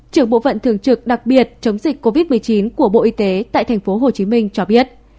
trưởng bộ phận thường trực đặc biệt chống dịch covid một mươi chín của bộ y tế tại tp hcm cho biết